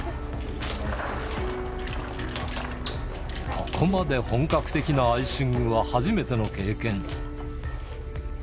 ここまで本格的なアイシングは初めての経験。